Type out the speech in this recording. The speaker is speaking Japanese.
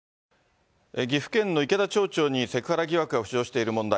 岐阜県の池田町長にセクハラ疑惑が浮上している問題。